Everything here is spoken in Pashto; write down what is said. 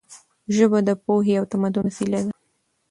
ژبه د پوهې او تمدن وسیله ده.